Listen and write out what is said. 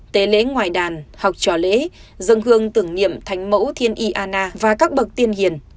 tế lễ ngoài đàn học trò lễ dân hương tưởng nhiệm thành mẫu thiên y anna và các bậc tiên hiền